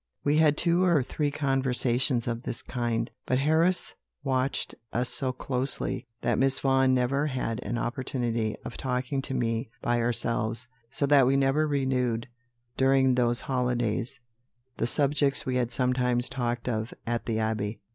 "We had two or three conversations of this kind; but Harris watched us so closely, that Miss Vaughan never had an opportunity of talking to me by ourselves; so that we never renewed, during those holidays, the subjects we had sometimes talked of at the Abbey.